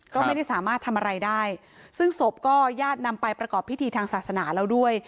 ก็ไม่ได้สามารถทำอะไรได้ซึ่งศพก็ญาตินำไปประกอบพิธีทางศาสนาแล้วด้วย